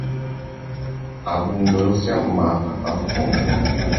Abundância mata a fome.